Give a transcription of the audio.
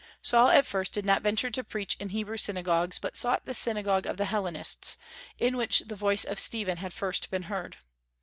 Saul at first did not venture to preach in Hebrew synagogues, but sought the synagogue of the Hellenists, in which the voice of Stephen had first been heard.